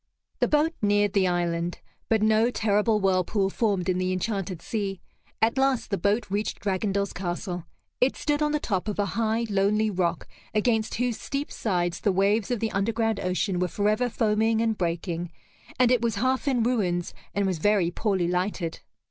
The boat neared the island, but no terrible whirlpool formed in the enchanted sea. At last the boat reached Dragondel's castle. It stood on the top of a high lonely rock against whose steep sides the waves of the underground ocean were forever foaming and breaking, and it was half in ruins and was very poorly lighted.